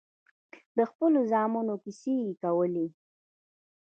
د خپلو زامنو کيسې يې کولې.